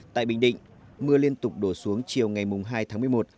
tại bình định mưa liên tục đổ xuống chiều ngày hai tháng một mươi một